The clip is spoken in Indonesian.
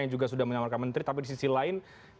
yang juga sudah menyamarkan menteri tapi di sisi lain